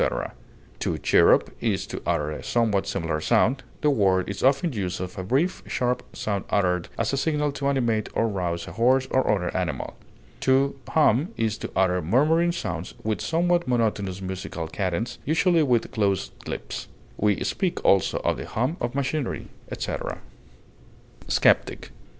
To chirrup is to utter a somewhat similar sound; the word is often used of a brief, sharp sound uttered as a signal to animate or rouse a horse or other animal. To hum is to utter murmuring sounds with somewhat monotonous musical cadence, usually with closed lips; we speak also of the hum of machinery, etc. SKEPTIC.